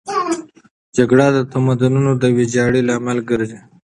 جګړه د تمدنونو د ویجاړۍ لامل ګرځي.